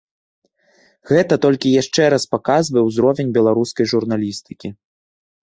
Гэта толькі яшчэ раз паказвае ўзровень беларускай журналістыкі.